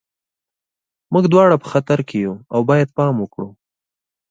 موږ دواړه په خطر کې یو او باید پام وکړو